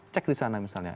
cek di sana misalnya